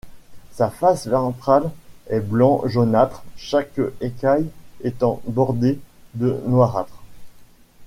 Sa face ventrale est blanc jaunâtre, chaque écaille étant bordée de noirâtre.